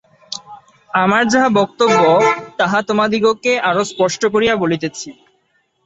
আমার যাহা বক্তব্য, তাহা তোমাদিগকে আরও স্পষ্ট করিয়া বলিতেছি।